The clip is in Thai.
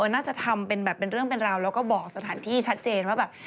เขามันบอกว่าน่าจะทำเป็นเรื่องเป็นราวแล้วก็บอกสถานที่ชัดเจนว่าแบบ